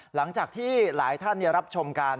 หลังจากที่หลายท่านรับชมกัน